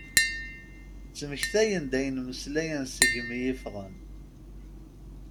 Tettmekta-d ayen mmeslayen segmi i iffɣen.